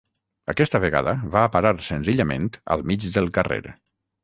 Aquesta vegada va a parar senzillament al mig del carrer.